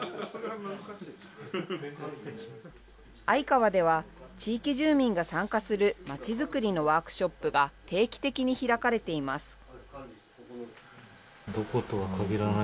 相川では、地域住民が参加する、町づくりのワークショップが定期的に開かれています。